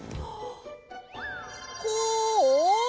こう？